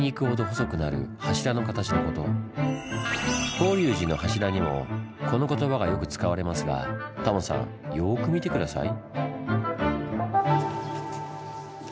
法隆寺の柱にもこの言葉がよく使われますがタモさんよく見て下さい。